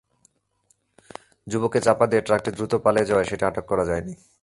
যুবককে চাপা দিয়ে ট্রাকটি দ্রুত পালিয়ে যাওয়ায় সেটি আটক করা যায়নি।